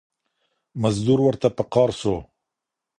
مزدور ورته په قار سو